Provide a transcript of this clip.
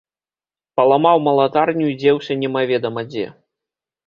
Паламаў малатарню і дзеўся немаведама дзе.